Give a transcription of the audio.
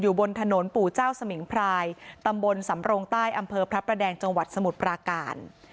บนถนนปู่เจ้าสมิงพรายตำบลสำรงใต้อำเภอพระประแดงจังหวัดสมุทรปราการ